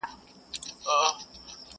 شیخه په خلکو به دې زر ځله ریا ووینم.!